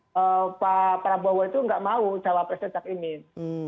pak prabowo itu nggak mau jawab presnya cak imin